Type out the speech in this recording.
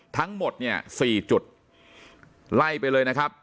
ทั้งหมดเนี่ย๔จุดไล่ไปเลยนะครับ